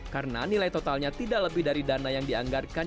karena nilai totalnya tidak lebih dari dana yang dianggarkan